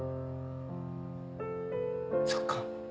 そっか。